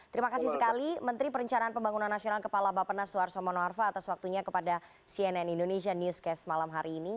terima kasih sekali menteri perencanaan pembangunan nasional kepala bapak naswar somono arfa atas waktunya kepada cnn indonesia newscast malam hari ini